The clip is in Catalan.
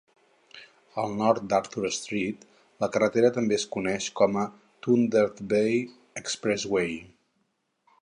Al nord d' Arthur Street, la carretera també es coneix com a Thunder Bay Expressway.